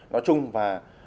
nói chung và